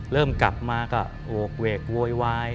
เริ่มกลับมาก็โอกเวกโวยวาย